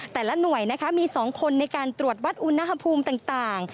แต่ละหน่วยนะคะมี๒คนในการตรวจวัดอุณหภูมิต่าง